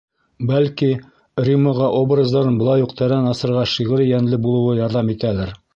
Бәлки, Римаға образдарын былай уҡ тәрән асырға шиғри йәнле булыуы ярҙам итәлер.